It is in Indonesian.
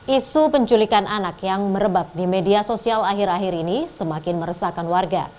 isu penculikan anak yang merebak di media sosial akhir akhir ini semakin meresahkan warga